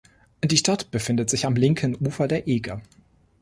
Die Stadt befindet sich am linken Ufer der Eger.